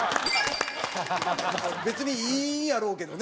別にいいやろうけどね